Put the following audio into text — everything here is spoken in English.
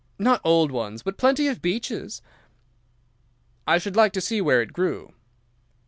"'No old ones, but plenty of beeches.' "'I should like to see where it grew.